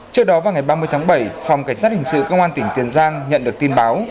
trước đó vào ngày ba mươi tháng bảy phòng cảnh sát hình sự công an tỉnh tiền giang nhận được tin báo